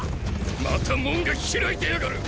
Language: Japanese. また門が開いてやがる！